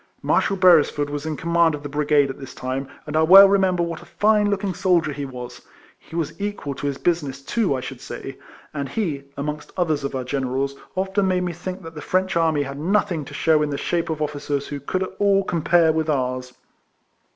Marshal Beresford was in command of the brigade at this time ; and I well remember what a line looking soldier he was. He was equal to his business, too, I should say; and he, amongst others of our generals, often made me think that the French army had nothing to shew in the shape of officers who could at all compare with ours.